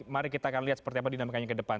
mari kita akan lihat seperti apa dinamikanya ke depan